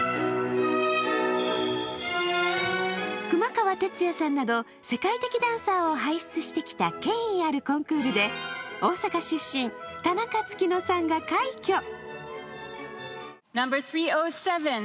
熊川哲也さんなど世界的ダンサーを輩出してきた権威あるコンクールで、大阪出身・田中月乃さんが快挙。